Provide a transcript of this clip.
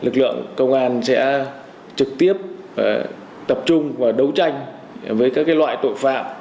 lực lượng công an sẽ trực tiếp tập trung và đấu tranh với các loại tội phạm